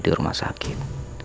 di rumah sakit